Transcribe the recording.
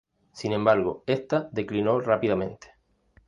Sin embargo, esta declinó rápidamente.